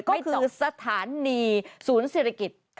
ก็คือสถานีศูนย์เศรษฐกิจ